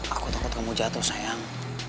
aku takut kamu jatuh sayang